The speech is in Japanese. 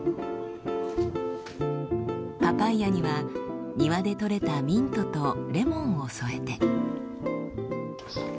パパイヤには庭で採れたミントとレモンを添えて。